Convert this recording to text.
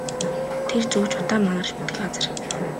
Тэр зүг ч утаа манарч мэдэх л газар.